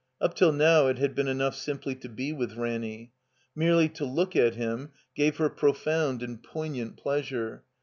Up till now it had been enough simply to be with Ranny. Merely to look at him gave her profound and poig nant pleasure.